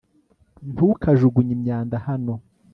ntukajugunye imyanda hano